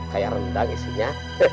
kayak rendang isinya